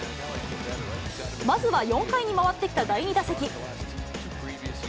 まずは４回に回ってきた第２打席。